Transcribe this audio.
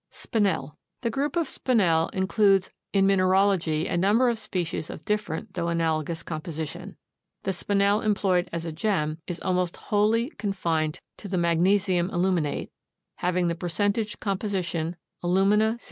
SPINEL. The group of Spinel includes in mineralogy a number of species of different though analogous composition. The Spinel employed as a gem is almost wholly confined to the magnesium aluminate, having the percentage composition alumina 71.